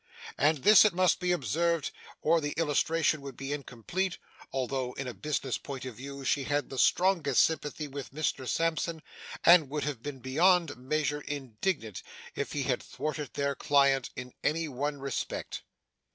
And this, it must be observed, or the illustration would be incomplete, although in a business point of view she had the strongest sympathy with Mr Sampson, and would have been beyond measure indignant if he had thwarted their client in any one respect.